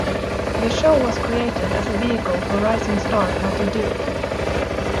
The show was created as a vehicle for rising star Patty Duke.